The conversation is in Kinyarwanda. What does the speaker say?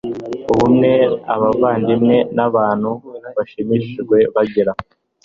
ubumwe abavandimwe n abantu bashimishijwe bagira